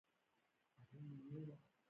د هغه په دربار کې نهه رتن یا پوهان وو.